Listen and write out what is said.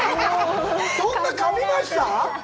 そんなかみました？